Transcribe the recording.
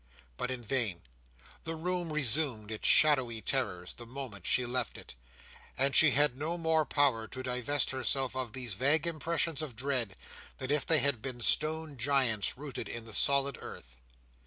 But in vain. The room resumed its shadowy terrors, the moment she left it; and she had no more power to divest herself of these vague impressions of dread, than if they had been stone giants, rooted in the solid earth.